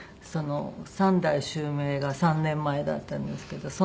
三代襲名が３年前だったんですけど。